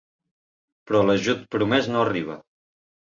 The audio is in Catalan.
Però l'ajut promès no arriba.